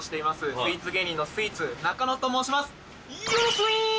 スイーツ芸人のスイーツなかのと申します